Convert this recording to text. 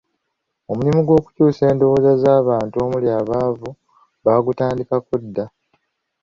Omulimu gw’okukyusa endowooza z’abantu omuli abaavu bagutandikako dda.